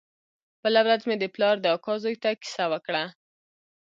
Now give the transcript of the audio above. بله ورځ مې د پلار د اکا زوى ته کيسه وکړه.